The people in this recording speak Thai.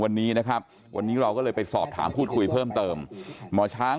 วันนี้นะครับวันนี้เราก็เลยไปสอบถามพูดคุยเพิ่มเติมหมอช้าง